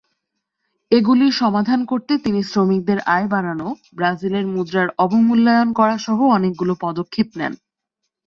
এগুলির সমাধান করতে তিনি শ্রমিকদের আয় বাড়ানো, ব্রাজিলের মুদ্রার অবমূল্যায়ন করাসহ অনেকগুলি পদক্ষেপ নেন।